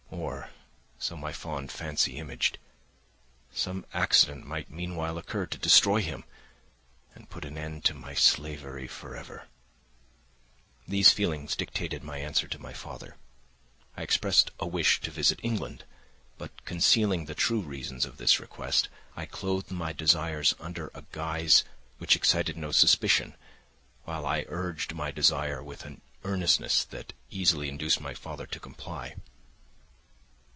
Or (so my fond fancy imaged) some accident might meanwhile occur to destroy him and put an end to my slavery for ever. These feelings dictated my answer to my father. I expressed a wish to visit England, but concealing the true reasons of this request, I clothed my desires under a guise which excited no suspicion, while I urged my desire with an earnestness that easily induced my father to comply.